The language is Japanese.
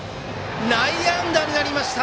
内野安打になりました！